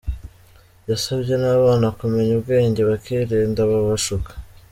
Yasabye n’abana kumenya ubwenge bakirinda ababashuka.